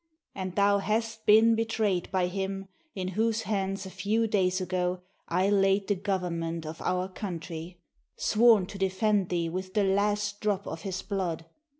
And thou hast been betrayed by him, in whose hands a few days ago I laid the Government of our country, 367 AUSTRIA HUNGARY sworn to defend thee with the last drop of his blood.